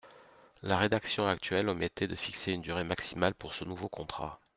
La rédaction actuelle omettait de fixer une durée maximale pour ce nouveau contrat.